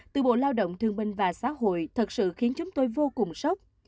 từ bộ lao động thương minh và xã hội thật sự khiến chúng tôi vô cùng sốc